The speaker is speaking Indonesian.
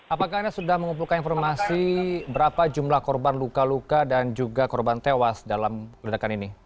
apakah anda sudah mengumpulkan informasi berapa jumlah korban luka luka dan juga korban tewas dalam ledakan ini